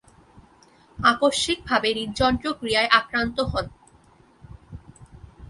আকস্মিকভাবে হৃদযন্ত্রক্রীয়ায় আক্রান্ত হন।